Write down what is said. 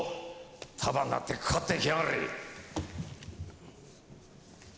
束になってかかってきやがれ！